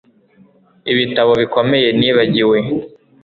Ibitabo bikomeye nibagiwe